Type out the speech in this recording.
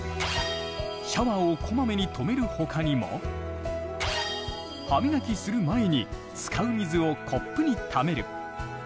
シャワーをこまめに止めるほかにも歯磨きする前に使う水をコップにためる。